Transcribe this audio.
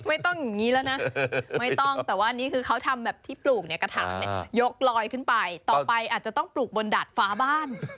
ไม่ต้องอย่างนี้แล้วนะไม่ต้องแต่ว่านี่คือเขาทำแบบที่ปลูกเนี่ยกระถางเนี่ยยกลอยขึ้นไปต่อไปอาจจะต้องปลูกบนดาดฟ้าบ้าน